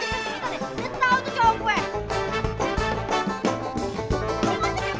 gue mau jadi pakek